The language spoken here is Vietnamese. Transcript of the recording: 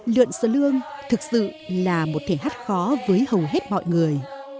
lượn slo lương thực sự là một thể hát khó với hầu hết mọi người